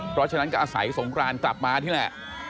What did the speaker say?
เพราะฉะนั้นก็อาศัยสงครานกลับมานี่แหละ